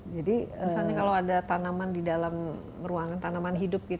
jadi misalnya kalau ada tanaman di dalam ruangan tanaman hidup gitu